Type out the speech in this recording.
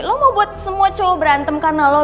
lo mau buat semua cowok berantem karena lo